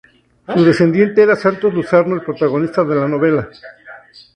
Su descendiente era Santos Luzardo, el protagonista de la novela.